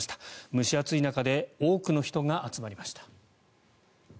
蒸し暑い中で多くの人が集まりました。